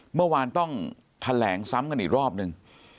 เมื่อวานต้องแถลงซ้ำกันอีกรอบนึง